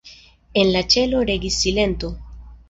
En la ĉelo regis silento.